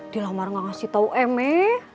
dilamar nggak ngasih tau emek